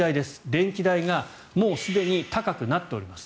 電気代がもうすでに高くなっています。